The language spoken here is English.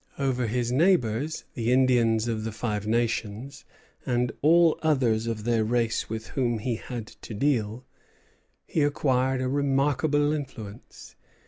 Over his neighbors, the Indians of the Five Nations, and all others of their race with whom he had to deal, he acquired a remarkable influence.